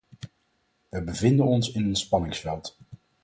We bevinden ons in een spanningsveld.